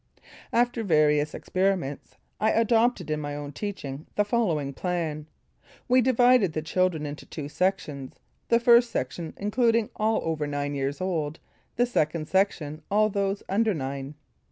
After various experiments I adopted in my own teaching the following plan. We divided the children into two sections; the First Section including all over nine years old, the Second Section all those under nine.